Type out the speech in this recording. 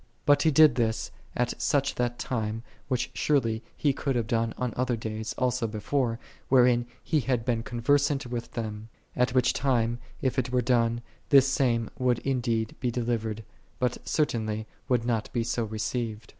But He did this at that time, which surely He could have done on other days also before, wherein He had been conversant with them; at which time if it were done, this same would indeed be delivered, but certainly would not be so received.